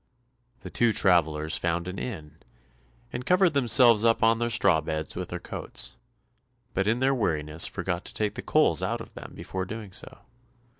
The two travellers found an inn, and covered themselves up on their straw beds with their coats, but in their weariness forgot to take the coals out of them before doing so.